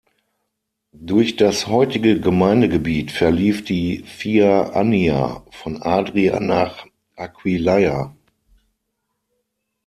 Durch das heutige Gemeindegebiet verlief die "Via Annia" von Adria nach Aquileia.